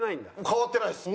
変わってないです。